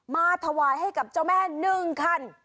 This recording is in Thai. มาถวายให้กับเจ้าแม่๑คัน